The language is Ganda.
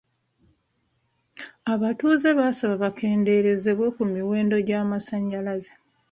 Abatuuze baasaba bakendereezebwe ku miwendo gy'amasanyalaze.